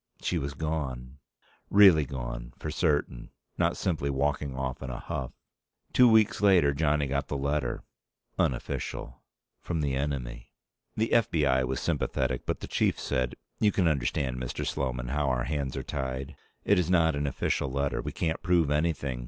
She was gone. Really gone, for certain, not simply walking off in a huff. Two weeks later, Johnny got the letter unofficial from the Enemy. The F.B.I. was sympathetic, but the Chief said, "You can understand, Mr. Sloman, how our hands are tied. It is not an official letter. We can't prove anything.